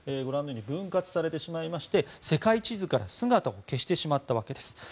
ご覧にように分割されてしまいまして世界地図から姿を消してしまったわけです。